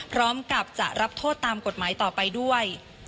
พร้อมกับจะรับโทษตามกฎหมายต่อไปด้วย